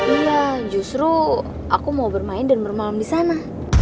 iya justru aku mau bermain dan bermalam di sana